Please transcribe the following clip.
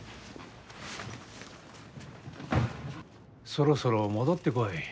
そろそろ戻ってこい。